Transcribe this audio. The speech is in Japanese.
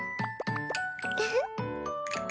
ウフッ。